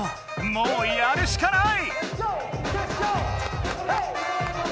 もうやるしかない！